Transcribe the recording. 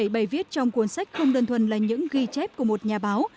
hai mươi bảy bày viết trong cuốn sách không đơn thuần là những ghi chép của một nhà báo